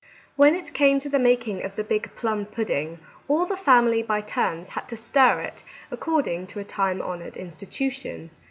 When it came to the making of the big plum pudding, all the family by turns had to stir it, according to a time honoured institution.